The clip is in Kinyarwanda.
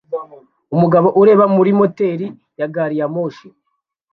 Umugabo ureba muri moteri ya gari ya moshi